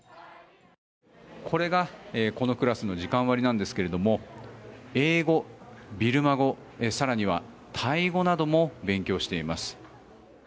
これがこのクラスの時間割なんですが英語、ビルマ語更にはタイ語なども勉強しています。